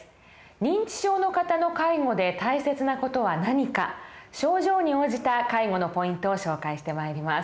認知症の方の介護で大切な事は何か症状に応じた介護のポイントを紹介してまいります。